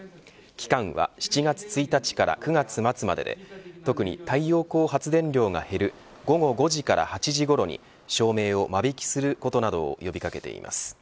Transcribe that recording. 期間は７月１日から９月末までで特に太陽光発電量が減る午後５時から８時ごろに照明を間引きすることなどを呼び掛けています。